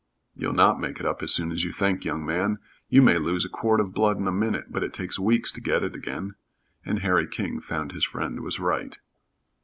"You'll not make it up as soon as you think, young man. You may lose a quart of blood in a minute, but it takes weeks to get it again," and Harry King found his friend was right.